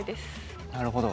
なるほど。